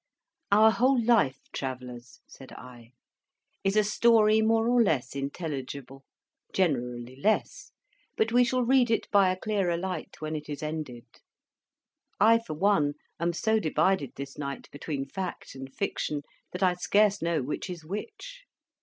"Our whole life, Travellers," said I, "is a story more or less intelligible, generally less; but we shall read it by a clearer light when it is ended. I, for one, am so divided this night between fact and fiction, that I scarce know which is which.